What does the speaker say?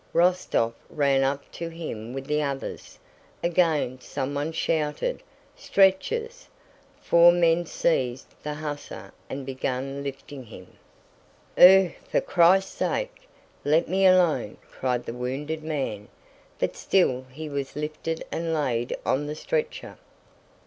Rostóv ran up to him with the others. Again someone shouted, "Stretchers!" Four men seized the hussar and began lifting him. "Oooh! For Christ's sake let me alone!" cried the wounded man, but still he was lifted and laid on the stretcher.